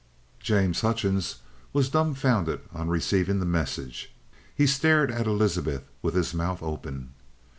James Hutchings was dumbfounded on receiving the message. He stared at Elizabeth with his mouth open.